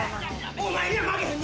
お前には負けへんぞ。